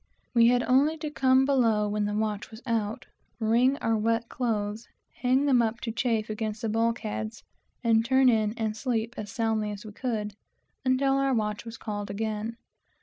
We had only to come below when the watch was out, wring out our wet clothes, hang them up, and turn in and sleep as soundly as we could, until the watch was called again.